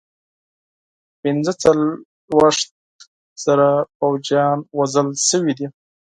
پنځه څلوېښت زره پوځیان وژل شوي دي.